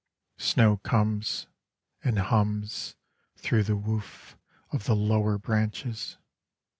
Snow comes, And hums Through the woof Of the lower branches.